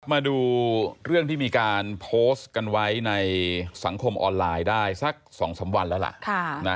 มาดูเรื่องที่มีการโพสต์กันไว้ในสังคมออนไลน์ได้สัก๒๓วันแล้วล่ะ